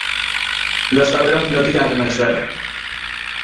Los otros lo tiraron al suelo.